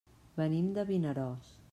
Venim de Vinaròs.